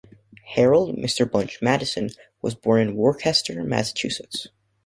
Harold 'Mr Butch' Madison was born in Worcester, Ma.